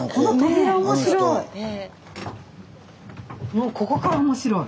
もうここから面白い。